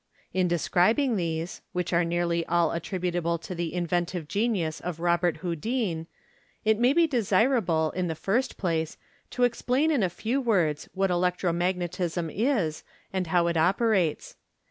In describing these, which are nearly all attributable to the inventive genius of Robert Houdin, it may be desirable, in the first place, to explain in a few words what electro magnetism is, and how it operates.